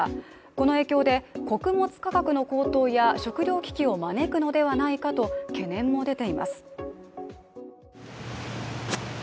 この影響で穀物価格の高騰や食料危機を招くのではないかと懸念も出ています。